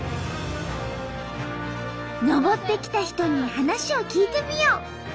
登ってきた人に話を聞いてみよう。